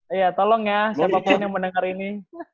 iya tolong ya siapapun yang mendengar ini